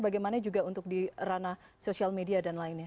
bagaimana juga untuk di ranah sosial media dan lainnya